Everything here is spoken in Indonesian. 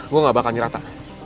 gue gak bakal nyerata